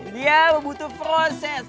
dia membutuhkan proses